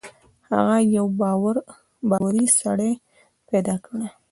هغه یو باوري سړی پیدا کړي.